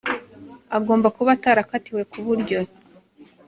agomba kuba atarakatiwe ku buryo